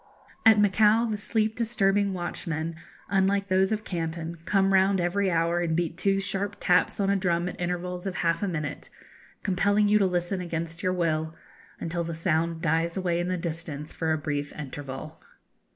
At Macao the sleep disturbing watchmen, unlike those of Canton, come round every hour and beat two sharp taps on a drum at intervals of half a minute, compelling you to listen against your will, until the sound dies away in the distance for a brief interval.